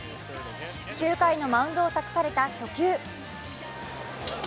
９回のマウンドを託された初球。